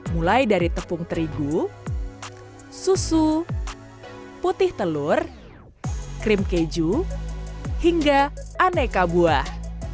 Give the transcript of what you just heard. mulai dari tepung terigu susu putih telur krim keju hingga aneka buah